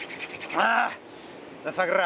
なあさくら。